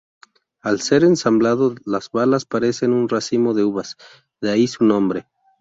Al ser ensamblado, las balas parecen un racimo de uvas, de ahí su nombre.